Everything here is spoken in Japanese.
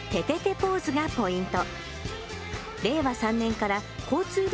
ポーズがポイント。